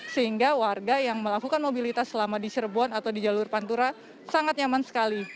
sehingga warga yang melakukan mobilitas selama di cirebon atau di jalur pantura sangat nyaman sekali